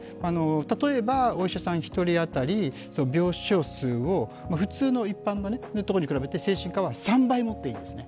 例えばお医者さん１人当たり病床数を普通の一般のところに比べて精神科は３倍持っていますね。